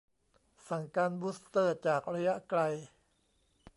สั่งการบูสเตอร์จากระยะไกล